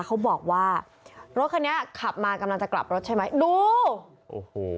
เขาบอกว่ารถคันนี้ขับมากำลังจะกลับรถใช่ไหมดูโอ้โห